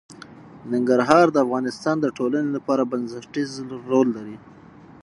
ننګرهار د افغانستان د ټولنې لپاره بنسټيز رول لري.